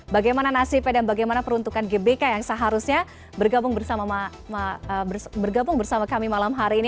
bagaimana nasibnya dan bagaimana peruntukan gbk yang seharusnya bergabung bersama kami malam hari ini